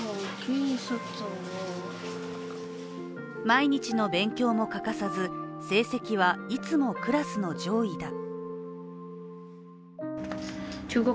毎日の勉強も欠かさず、成績はいつもクラスの上位だ。